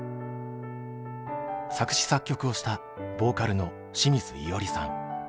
作詞作曲をしたボーカルの清水依与吏さん。